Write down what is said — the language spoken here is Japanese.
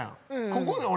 ここで俺？